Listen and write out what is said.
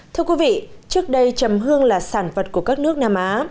thưa quý vị trước đây chầm hương là sản vật của các nước nam á